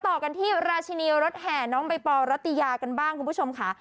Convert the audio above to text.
ต่อกันที่ราชินีรถแห่น้องใบปอลรัตยากันบ้างคุณผู้ชมค่ะ